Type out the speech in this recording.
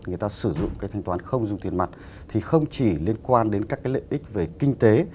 người ta sử dụng cái thanh toán không dùng tiền mặt thì không chỉ liên quan đến các cái lợi ích về kinh tế